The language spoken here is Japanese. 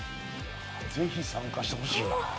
ぜひ参加してほしいな。